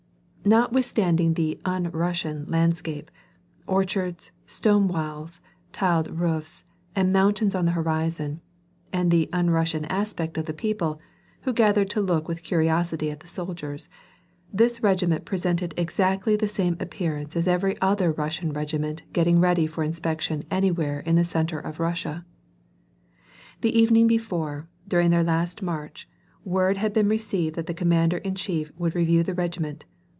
Notwithstanding the un Russian landscape — orchards, stone walls, tiled roofs, and mountains on the horizon — and the un Russian aspect of the people, who gathered to look with curiosity at the soldiers, this :cegiment presented exactly the same appearance as every other Russian regiment getting ready for inspection anywhere in the centre of Russia. The evening before, during their last march, word had been received that the commander in chief would review the regi ment.